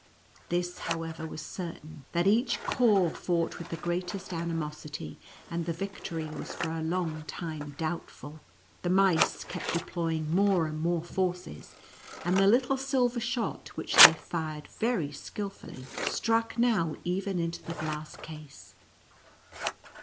This however was certain, that each corps fought with the greatest animosity, and the victory was for a long time doubtful. The mice kept de ploying more and more forces, and the little sil ver shot, which they fired very skilfully, struck now even into the glass case.